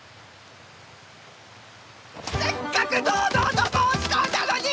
せっかく堂々と申し込んだのに！